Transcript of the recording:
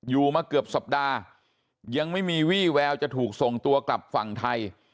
อยู่มาเกือบสัปดาห์ยังไม่มีวี่แววจะถูกส่งตัวกลับฝั่งไทย